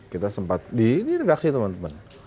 kita sempat di ini redaksi teman teman